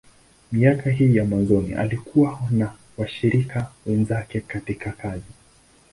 Miaka hii ya mwanzoni, alikuwa na washirika wenzake katika kazi.